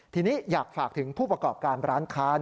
ทีนี้อยากฝากถึงผู้ประกอบการร้านค้า